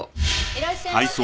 いらっしゃいませ。